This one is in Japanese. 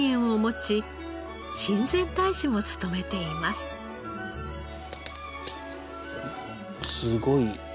すごい。